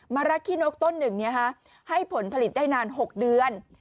มะระขี้นกต้นหนึ่งให้ผลผลิตได้นาน๖เดือน